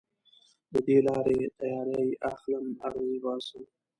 د دې لارې تیارې اخلم اغزې باسم